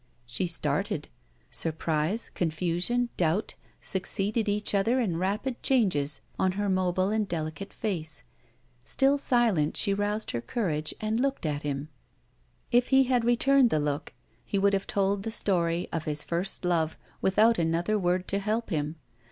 She started. Surprise, confusion, doubt, succeeded each other in rapid changes on her mobile and delicate face. Still silent, she roused her courage, and looked at him. If he had returned the look, he would have told the story of his first love without another word to help him.